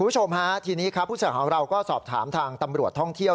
คุณผู้ชมฮะทีนี้ครับผู้สื่อข่าวของเราก็สอบถามทางตำรวจท่องเที่ยว